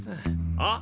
あっ！